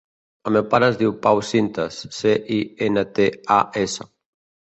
El meu pare es diu Pau Cintas: ce, i, ena, te, a, essa.